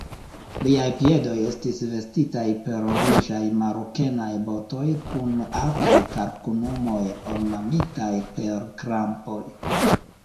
Liaj piedoj estis vestitaj per ruĝaj marokenaj botoj kun altaj kalkanumoj, ornamitaj per krampoj.